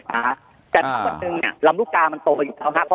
แต่ลำดุกามันโตอยู่ช่อง